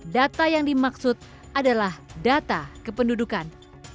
data yang dimaksud adalah data kependudukan